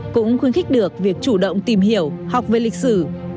cũng khuyến khích được việc chủ động tìm hiểu học về lịch sử